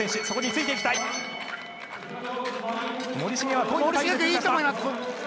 そこについていきたい。